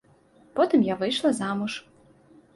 Потым я выйшла замуж.